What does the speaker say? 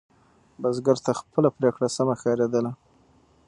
بزګر ته خپله پرېکړه سمه ښکارېدله.